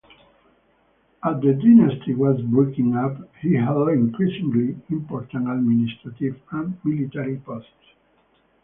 As the dynasty was breaking up he held increasingly important administrative and military posts.